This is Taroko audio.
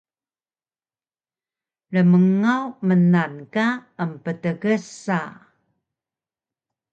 Rmngaw mnan ka emptgsa